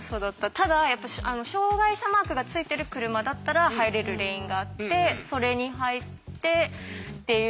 ただやっぱり障害者マークがついてる車だったら入れるレーンがあってそれに入ってっていう。